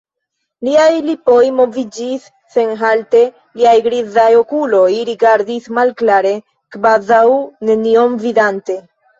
Liaj lipoj moviĝis senhalte, liaj grizaj okuloj rigardis malklare, kvazaŭ nenion vidante.